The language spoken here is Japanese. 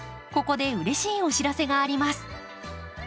ここでうれしいお知らせがあります。